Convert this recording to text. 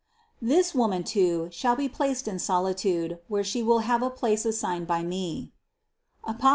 This Woman, too, shall be placed in solitude, where She will have a place assigned by Me" (Apos.